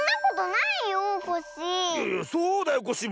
そうだよコッシー！